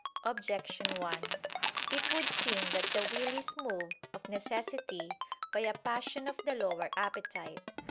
Objection 1: It would seem that the will is moved of necessity by a passion of the lower appetite.